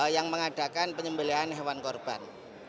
yang mengadakan penyembelian hewan korban